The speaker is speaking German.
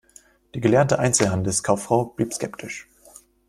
Die gelernte Einzelhandelskauffrau blieb skeptisch.